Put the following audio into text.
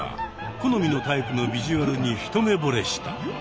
好みのタイプのビジュアルに一目ぼれした。